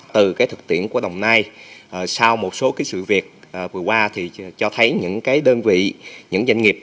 từ thực tiễn của đồng nai sau một số sự việc vừa qua thì cho thấy những đơn vị những doanh nghiệp